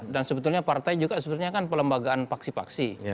dan sebetulnya partai juga sebenarnya kan pelembagaan paksi paksi